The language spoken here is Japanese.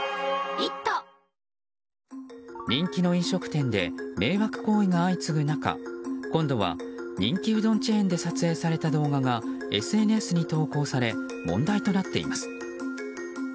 人気の飲食店で迷惑行為が相次ぐ中今度は人気うどんチェーンで撮影された動画がＳＮＳに投稿され問題となっています。